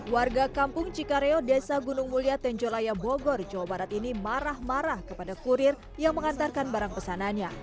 warga kampung cikareo desa gunung mulia tenjolaya bogor jawa barat ini marah marah kepada kurir yang mengantarkan barang pesanannya